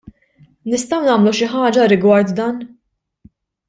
Nistgħu nagħmlu xi ħaġa rigward dan?